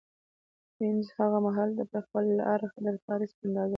وینز هغه مهال د پراخوالي له اړخه د پاریس په اندازه و